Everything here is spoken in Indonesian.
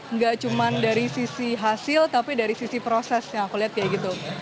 nggak cuma dari sisi hasil tapi dari sisi prosesnya aku lihat kayak gitu